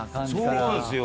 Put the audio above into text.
そうなんすよ。